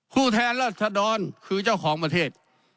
ผู้แทนรัศดรคือเจ้าของประเทศ